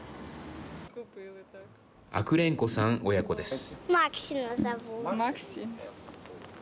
アクレンコさん親子です。